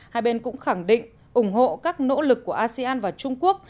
hai bên cũng khẳng định ủng hộ các nỗ lực của asean và trung quốc